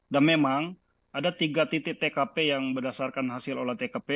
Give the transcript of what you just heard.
dan memang ada tiga titik tkp yang berdasarkan hasil olah tkp